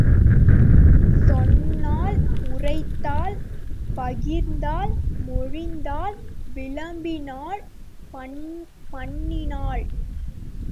சொன்னாள், உரைத்தாள், பகிர்ந்தாள், மொழிந்தாள், விளம்பினாள், பண்ணினாள்